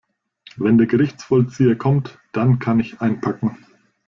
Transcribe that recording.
Wenn der Gerichtsvollzieher kommt, dann kann ich einpacken.